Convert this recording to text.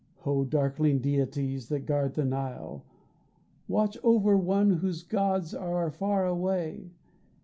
Oh, darkling deities that guard the Nile, Watch over one whose gods are far away.